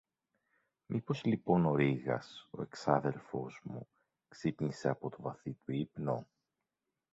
Μήπως λοιπόν ο Ρήγας, ο εξάδελφος μου, ξύπνησε από το βαθύ του ύπνο;